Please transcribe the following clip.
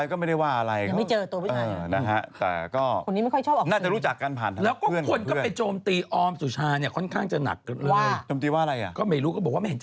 ก็บอกว่าไม่เห็นเจ้าเหมาะของกันอ้มปัจจัลลาป๋าน